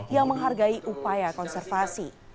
yang menghargai upaya konservasi